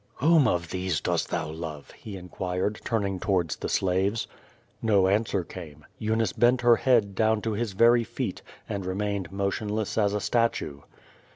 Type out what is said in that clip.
"Whom of these dost thou love?^^ he inquired, turning towards the slaves. No answer came. Eunice bent her head down to his very feet, and remained motionless as a statue.